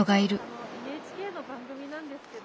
ＮＨＫの番組なんですけど。